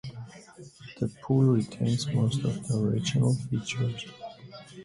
The pool retains most of the original features.